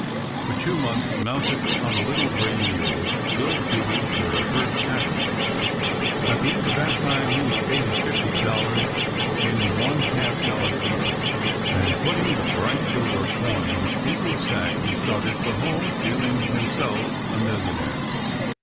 For two months, mounted on a little gray mule, Bill's duties were to herd cattle. At the end of that time he was paid his $50 in one half dollar pieces, and, putting the bright silver coins into a sack, he started for home, feeling himself a millionaire.